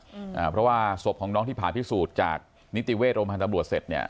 อืมอ่าเพราะว่าศพของน้องที่ผ่าพิสูจน์จากนิติเวชโรงพยาบาลตำรวจเสร็จเนี้ย